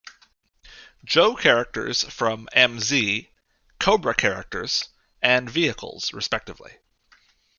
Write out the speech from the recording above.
Joe characters from M-Z, Cobra characters, and vehicles respectively.